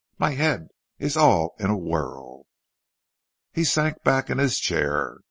my head is all in a whirl." He sank back in his chair.